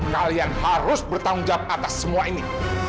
kalian harus bertanggung jawab atas semua ini